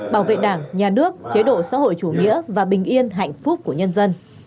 bảo vệ đảng nhà nước chế độ xã hội chủ nghĩa và bình yên hạnh phúc của nhân dân